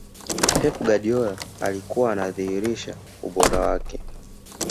pep guardiola alikuwa anadhirisha ubora wake